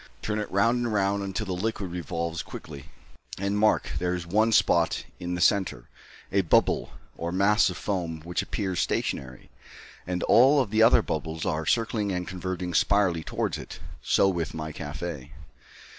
Turn it round and round until the liquid revolves quickly, and mark: there is one spot in the centre, a bubble, or mass of foam, which appears stationary, and all the other bubbles are circling and converging spirally towards it. So with my café.